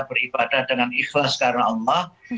beribadah dengan ikhlas karena allah